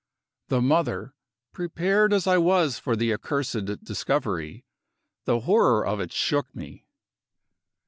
The mother! Prepared as I was for the accursed discovery, the horror of it shook me.